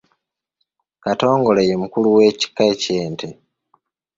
Katongole ye mukulu w’ekika ky’ente.